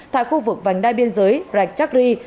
thạc khu vực vành đai biên giới rạch chakri